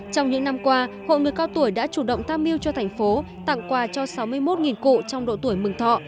trong những năm qua hội người cao tuổi đã chủ động tham mưu cho thành phố tặng quà cho sáu mươi một cụ trong độ tuổi mừng thọ